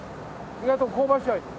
意外と香ばしい味。